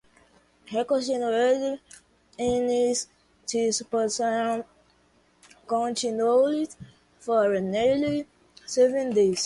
He continued in this position continuously for nearly seven years.